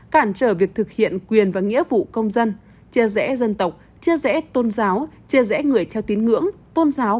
cản trở việc thực hiện quyền và nghĩa vụ công dân chia rẽ dân tộc chia rẽ tôn giáo chia rẽ người theo tín ngưỡng tôn giáo